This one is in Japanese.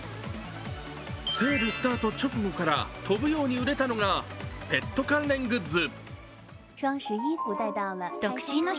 セールスタート直後から飛ぶように売れたのがペット関連グッズ。